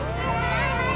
頑張れ！